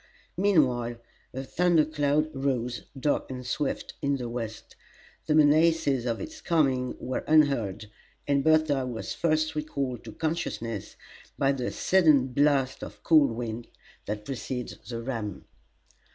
Meanwhile a thunder cloud rose, dark and swift, in the west. The menaces of its coming were unheard, and Bertha was first recalled to consciousness by the sudden blast of cold wind that precedes the ram.